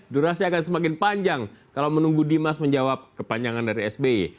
durasi akan semakin panjang kalau menunggu dimas menjawab kepanjangan dari sby